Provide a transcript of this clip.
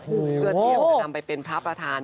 เพื่อเตรียมจะนำไปเป็นพระประธาน